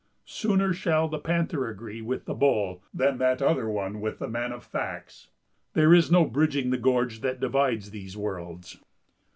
Sooner shall the panther agree with the bull than that other one with the man of facts. There is no bridging the gorge that divides these worlds.